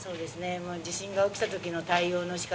地震が起きた時の対応の仕方